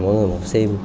mỗi người một sim